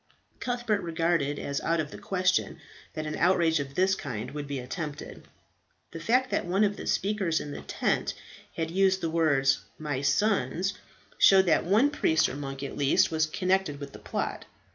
Cuthbert regarded as out of the question that an outrage of this kind would be attempted. The fact that one of the speakers in the tent had used the words "my sons," showed that one priest or monk, at least, was connected with the plot.